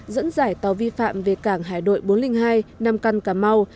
dẫn dải tàu vi phạm về cảng hải đội bốn trăm linh hai nam căn cà mau